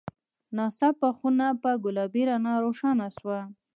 ناڅاپه خونه په ګلابي رڼا روښانه شوه.